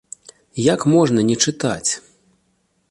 Як можна не чытаць?